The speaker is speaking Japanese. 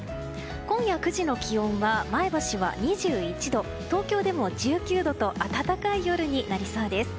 今夜９時の気温は前橋は２１度東京でも１９度と暖かい夜になりそうです。